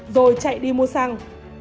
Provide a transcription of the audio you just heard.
rồi chạy đi mua xăng